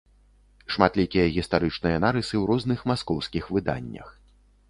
Шматлікія гістарычныя нарысы ў розных маскоўскіх выданнях.